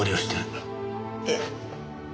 えっ？